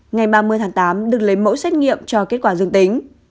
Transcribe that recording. ngày ba mươi tháng tám được lấy mẫu xét nghiệm cho kết quả dương tính